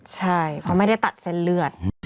ใช่เขาไม่ได้ตัดเส้นเลือด